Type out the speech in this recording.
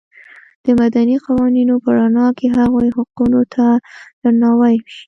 د مدني قوانینو په رڼا کې هغوی حقونو ته درناوی وشي.